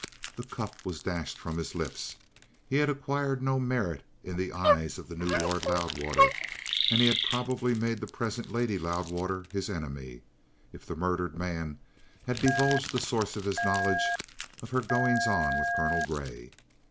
The cup was dashed from his lips. He had acquired no merit in the eyes of the new Lord Loudwater, and he had most probably made the present Lady Loudwater his enemy, if the murdered man had divulged the source of his knowledge of her goings on with Colonel Grey.